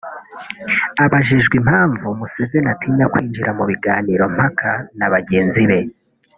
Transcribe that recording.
Abajijwe impamvu Museveni atinya kwinjira mu biganiro mpaka na bagenzi be